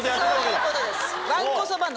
そういうことです。